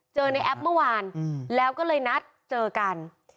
ในแอปเมื่อวานแล้วก็เลยนัดเจอกัน